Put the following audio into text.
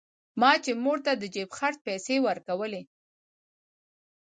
ما چې مور ته د جيب خرڅ پيسې ورکولې.